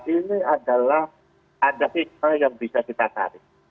ini adalah ada fitnah yang bisa kita tarik